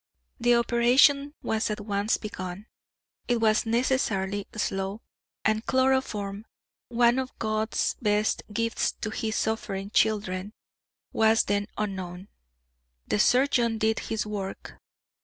The operation was at once begun; it was necessarily slow; and chloroform one of God's best gifts to his suffering children was then unknown. The surgeon did his work.